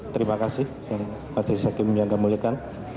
terima kasih pak jisya kim yang kamulikan